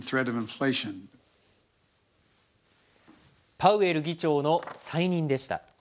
パウエル議長の再任でした。